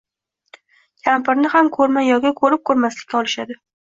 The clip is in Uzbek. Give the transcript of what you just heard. Kmpirni ham ko‘rmay yoki ko‘rib ko‘rmaslikka olishadi.